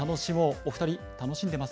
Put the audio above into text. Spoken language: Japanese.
お２人、楽しんでます？